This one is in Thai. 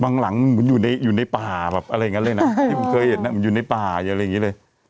บางหลังมันอยู่ในอยู่ในป่าแบบอะไรอย่างเงี้ยเลยน่ะที่มันเคยเห็นน่ะมันอยู่ในป่าอย่างเงี้ยอะไรอย่างงี้เลย